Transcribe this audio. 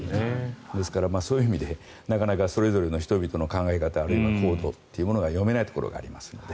ですから、そういう意味でなかなかそれぞれの人々の考え方あるいは行動というものが読めないところがありますので。